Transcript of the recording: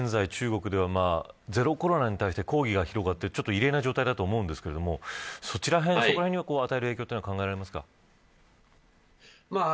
現在中国ではゼロコロナに対して抗議が広がっていて異例な状態だと思いますがそこらへんに与える影響はありますか。